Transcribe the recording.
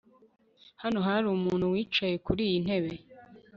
Hano hari umuntu wicaye kuriyi ntebe